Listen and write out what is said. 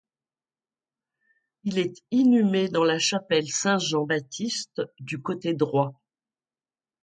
Il est inhumé dans la chapelle Saint-Jean-Baptiste, du côté droit.